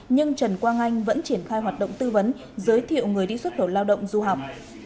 nhưng trần quang anh vẫn triển khai hoạt động tư vấn giới thiệu người đi xuất khẩu lao động du học